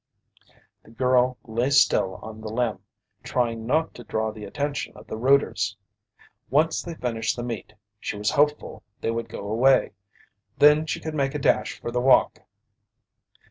The girl lay still on the limb, trying not to draw the attention of the rooters. Once they finished the meat, she was hopeful they would go away. Then she could make a dash for the walk.